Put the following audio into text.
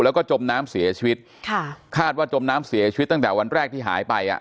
แล้วก็จมน้ำเสียชีวิตค่ะคาดว่าจมน้ำเสียชีวิตตั้งแต่วันแรกที่หายไปอ่ะ